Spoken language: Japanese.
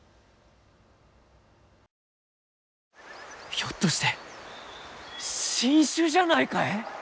ひょっとして新種じゃないかえ？